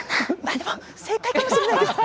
でも正解かもしれない。